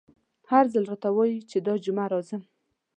هر ځل راته وايي چې دا جمعه راځم….